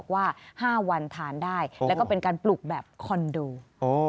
๕วันทานได้และเป็นการปลูกแบบคอนโด